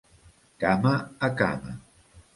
Cama a cama.